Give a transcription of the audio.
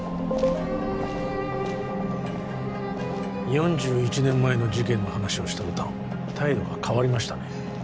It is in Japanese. ４１年前の事件の話をしたとたん態度が変わりましたね